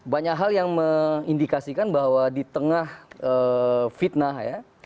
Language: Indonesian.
banyak hal yang mengindikasikan bahwa di tengah fitnah ya